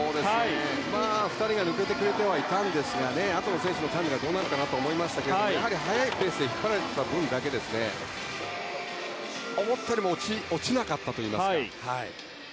２人が抜けてくれてはいたんですがあとの選手のタイムがどうなるのかなと思いましたけどやはり速いペースで引っ張られてきた分思ったよりも落ちなかったといいますか。